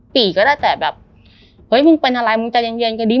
ปีก็ได้แต่แบบเฮ้ยมึงเป็นอะไรมึงใจเย็นก็ดี